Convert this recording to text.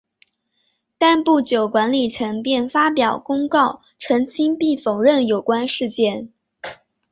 但不久管理层便发表公告澄清并否认有关事件。